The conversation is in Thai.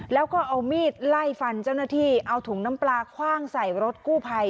แล้วก็เอามีดไล่ฟันเจ้าหน้าที่เอาถุงน้ำปลาคว่างใส่รถกู้ภัย